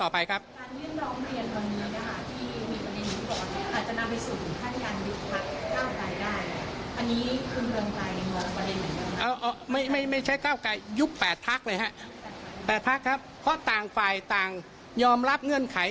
พักครับเพราะต่างฝ่ายต่างยอมรับเงื่อนไข